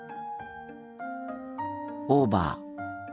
オーバー。